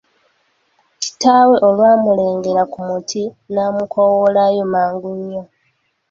Kitaawe olwamulengera ku muti n'amukowoolayo mangu nnyo.